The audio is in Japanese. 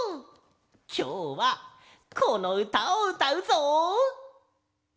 きょうはこのうたをうたうぞ！